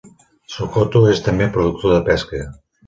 Sokoto és també productor de pesca.